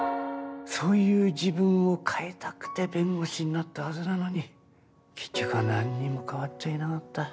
そういう自分を変えたくて弁護士になったはずなのに結局は何にも変わっちゃいなかった。